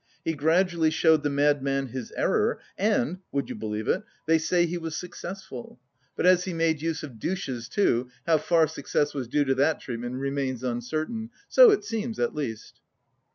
He gradually showed the madman his error and, would you believe it, they say he was successful? But as he made use of douches too, how far success was due to that treatment remains uncertain.... So it seems at least."